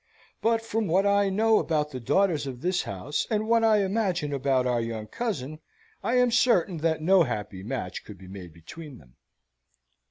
But from what I know about the daughters of this house, and what I imagine about our young cousin, I am certain that no happy match could be made between them."